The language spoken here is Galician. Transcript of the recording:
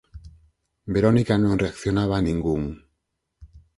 Verónica non reaccionaba a ningún.